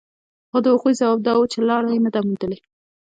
خو د هغوی ځواب دا و چې لاره يې نه ده موندلې.